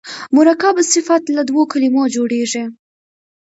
مرکب صفت له دوو کلمو جوړیږي.